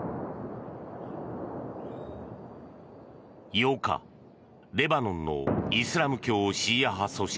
８日、レバノンのイスラム教シーア派組織